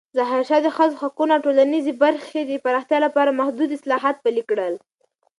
ظاهرشاه د ښځو حقونو او ټولنیزې برخې د پراختیا لپاره محدود اصلاحات پلې کړل.